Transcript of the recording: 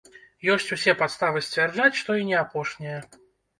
Ёсць усе падставы сцвярджаць, што і не апошняя.